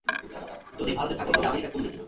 যদি ভারতে থাকো তবে আমেরিকা কোন দিকে?